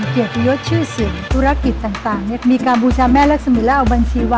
ขอบคุณครับ